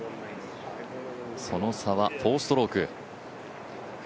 その差は４ストローク。